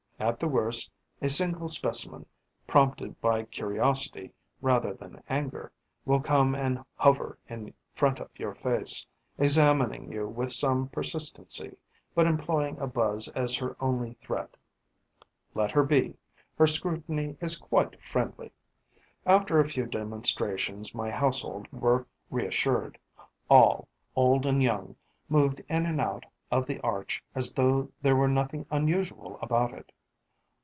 At the worst, a single specimen, prompted by curiosity rather than anger, will come and hover in front of your face, examining you with some persistency, but employing a buzz as her only threat. Let her be: her scrutiny is quite friendly. After a few demonstrations, my household were reassured: all, old and young, moved in and out of the arch as though there were nothing unusual about it.